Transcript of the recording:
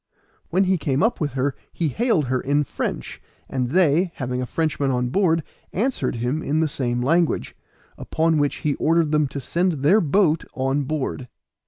When he came up with her he hailed her in French, and they, having a Frenchman on board, answered him in the same language; upon which he ordered them to send their boat on board.